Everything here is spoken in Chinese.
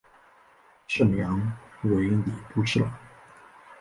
事梁为礼部侍郎。